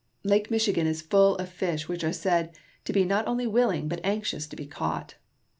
Lake Michi gan is full of fish which are said to be not only willing, but anxious, to be caught.